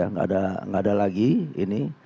nggak ada lagi ini